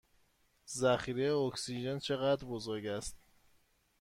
ذخیره اکسیژن چه قدر بزرگ است؟